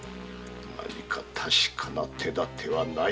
何か確かな手だてはないか？